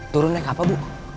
turun naik apa bu